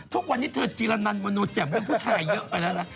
ทุกวันนี้เธอจีรนันมโนแจ่มเรื่องผู้ชายเยอะไปแล้วนะ